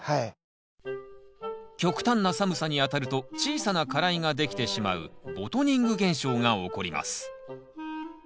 極端な寒さにあたると小さな花蕾ができてしまうボトニング現象が起こります。